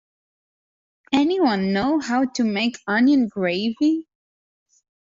Anyone know how to make onion gravy?